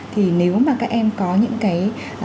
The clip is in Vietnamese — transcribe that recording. thì nếu mà các em có những cái